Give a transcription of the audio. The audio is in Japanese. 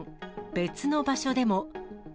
別の場所でも。